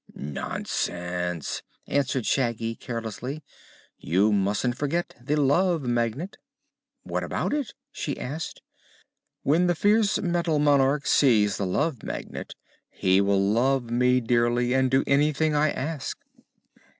"Nonsense!" answered Shaggy, carelessly. "You mustn't forget the Love Magnet." "What about it?" she asked. "When the fierce Metal Monarch sees the Love Magnet, he will love me dearly and do anything I ask."